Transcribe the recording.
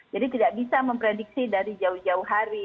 jadi tidak bisa memprediksi dari jauh jauh hari